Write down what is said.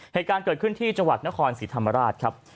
เหตุการณ์เกิดขึ้นที่จังหวัดนครศรีธรรมราชครับ